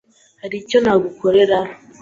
Hari icyo nagukorera?